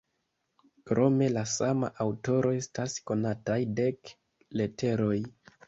Krome de la sama aŭtoro estas konataj dek leteroj.